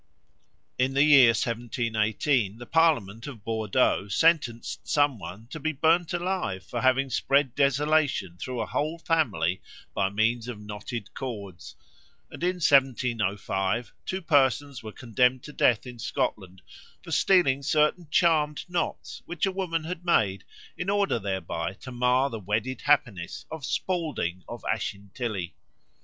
In the year 1718 the parliament of Bordeaux sentenced some one to be burned alive for having spread desolation through a whole family by means of knotted cords; and in 1705 two persons were condemned to death in Scotland for stealing certain charmed knots which a woman had made, in order thereby to mar the wedded happiness of Spalding of Ashintilly.